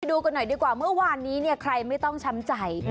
ดูกันหน่อยดีกว่าเมื่อวานนี้เนี่ยใครไม่ต้องช้ำใจ